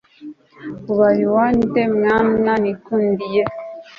ubaye uwa nde mwana nikundiye